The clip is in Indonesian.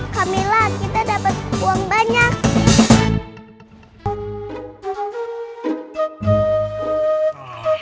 camilan kita dapat uang banyak